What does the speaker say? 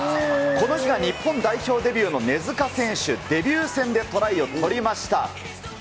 この日が日本代表デビューの根塚選手、デビュー戦でトライを取りました。